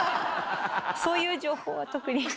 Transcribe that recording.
そういう情報は特に。